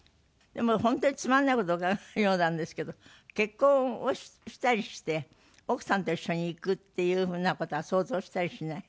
でも本当につまらない事を伺うようなんですけど結婚をしたりして奥さんと一緒に行くっていうような事は想像したりしない？